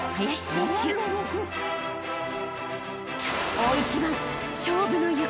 ［大一番！］